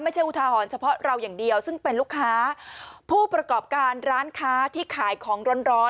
อุทาหรณ์เฉพาะเราอย่างเดียวซึ่งเป็นลูกค้าผู้ประกอบการร้านค้าที่ขายของร้อนร้อน